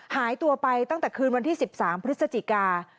หายตัวไปตั้งแต่คืนวันที่๑๓พฤศจิกา